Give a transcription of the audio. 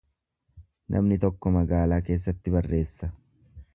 Namni tokko magaalaa keessatti barreessa.